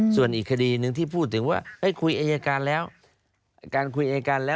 ส่วนอีกคดีหนึ่งที่พูดถึงว่า